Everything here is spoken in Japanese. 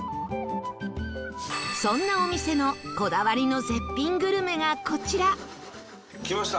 そんなお店のこだわりの絶品グルメがこちらきました。